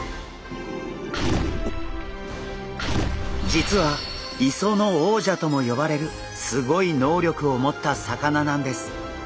実は磯の王者とも呼ばれるすごい能力を持った魚なんです！